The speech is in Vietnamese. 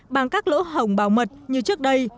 bằng các lỗ hổng bảo mật như trước đây